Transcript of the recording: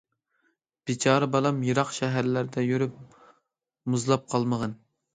بىچارە بالام، يىراق شەھەرلەردە يۈرۈپ مۇزلاپ قالمىغىن.